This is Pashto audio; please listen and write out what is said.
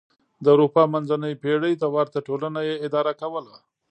د اروپا منځنۍ پېړۍ ته ورته ټولنه یې اداره کوله.